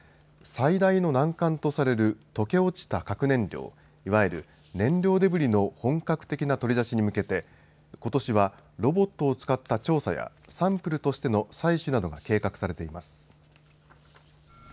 最大の難関とされる溶け落ちた核燃料いわゆる「燃料デブリ」の本格的な取り出しに向けてことしはロボットを使った調査やサンプルとしての採取などが計画されています。